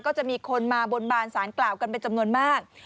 ก็จะมีคนมาบนบานสารกล่าวกันเป็นจำนวนมาก